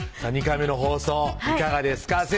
２回目の放送いかがですか？